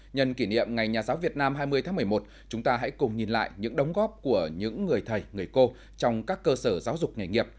nhân kỷ niệm ngày nhà giáo việt nam hai mươi tháng một mươi một chúng ta hãy cùng nhìn lại những đóng góp của những người thầy người cô trong các cơ sở giáo dục nghề nghiệp